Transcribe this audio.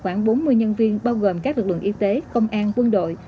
trong ngày một lần toàn bộ khoảng bốn mươi nhân viên bao gồm các lực lượng y tế công an quân đội